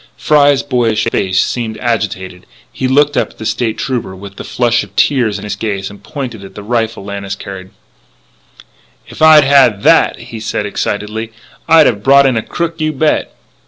Fry's boyish face seemed agitated; he looked up at the State Trooper with the flush of tears in his gaze and pointed at the rifle Lannis carried: "If I'd had that," he said excitedly, "I'd have brought in a crook, you bet!"